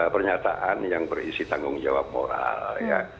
pernyataan yang berisi tanggung jawab moral ya